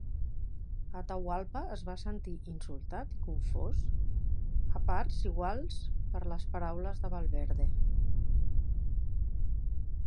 Atahualpa es va sentir insultat i confós a parts iguals per les paraules de Valverde.